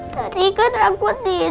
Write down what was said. tadi kan aku tidur